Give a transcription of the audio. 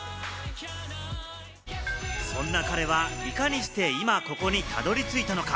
そんな彼はいかにして、今ここにたどり着いたのか？